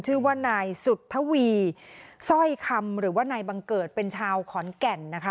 ชื่อว่านายสุธวีสร้อยคำหรือว่านายบังเกิดเป็นชาวขอนแก่นนะคะ